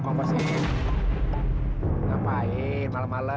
bangkrut turun tinggal